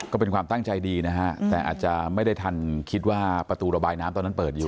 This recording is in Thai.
ก็เป็นความตั้งใจดีนะฮะแต่อาจจะไม่ได้ทันคิดว่าประตูระบายน้ำตอนนั้นเปิดอยู่